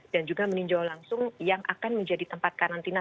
dan juga meninjau langsung yang akan menjadi tempat karantina